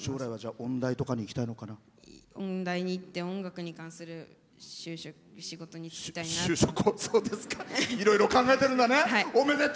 音大に行って音楽に関する仕事に就きたいなと。